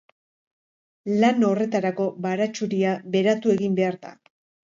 Lan horretarako baratxuria beratu egin behar da.